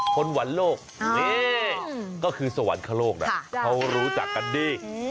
วันโลกนี่ก็คือสวรรคโลกนะเขารู้จักกันดี